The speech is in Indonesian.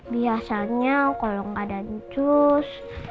biasanya kalau gak ada njus